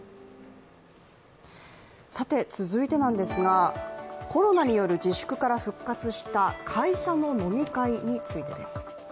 続いてなんですが、コロナによる自粛から復活した会社の飲み会についてです。